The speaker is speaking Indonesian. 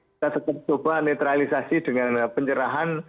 kita sekarang coba netralisasi dengan pencerahan